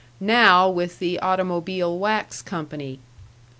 Now with the automobile wax company.